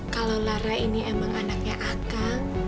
kalau lara ini emang anaknya aka